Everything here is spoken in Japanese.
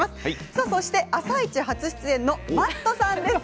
そして「あさイチ」初出演のＭａｔｔさんです。